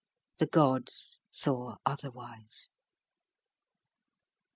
â The gods saw otherwise.